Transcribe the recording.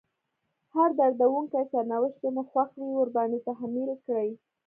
هر دردونکی سرنوشت چې مو خوښ وي ورباندې تحميل کړئ.